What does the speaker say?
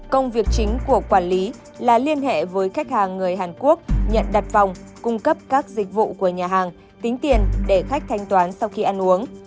công việc chính của quản lý là liên hệ với khách hàng người hàn quốc nhận đặt vòng cung cấp các dịch vụ của nhà hàng tính tiền để khách thanh toán sau khi ăn uống